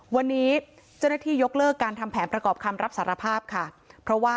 วันนี้เจ้าหน้าที่ยกเลิกการทำแผนประกอบคำรับสารภาพค่ะเพราะว่า